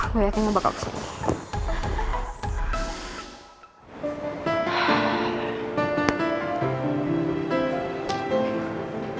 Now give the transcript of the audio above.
gue yakin lo bakal kesini